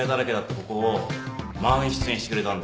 ここを満室にしてくれたんだよ。